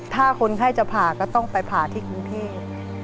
ถ้าคนไข้จะผ่าก็ต้องไปผ่าที่กรุงเทพ